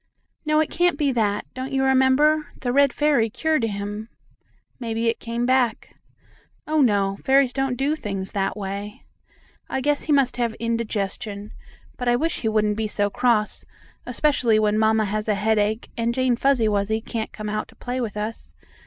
"No, it can't be that. Don't you remember, the red fairy cured him?" "Maybe it came back." "Oh, no, fairies don't do things that way. I guess he must have indigestion. But I wish he wouldn't be so cross, especially when mamma has a headache and Jane Fuzzy Wuzzy can't come out to play with us.